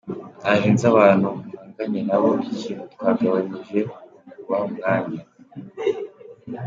Naje nzi abantu mpanganye nabo, ikintu twagabanyije ni ukubaha umwanya.